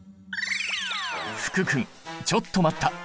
福君ちょっと待った！